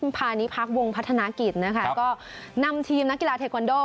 พาณิพักษ์วงพัฒนากิจนะคะก็นำทีมนักกีฬาเทควันโด